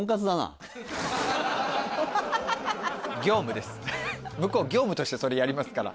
業務です向こう業務としてそれやりますから。